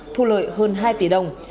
thu lợi hơn hai m hai